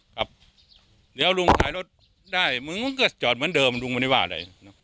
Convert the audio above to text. กลับเดี๋ยวลุงถ่ายรถได้มึงก็จอดเหมือนเดิมลุงมันไม่ว่าอะไร